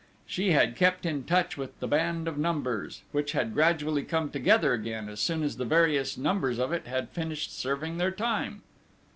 She had kept in touch with the band of Numbers, which had gradually come together again as soon as the various numbers of it had finished serving their time.